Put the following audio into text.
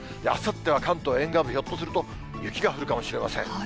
あさっては関東沿岸部、ひょっとすると、雪が降るかもしれません。